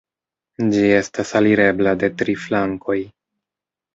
Ĝi estas alirebla de tri flankoj.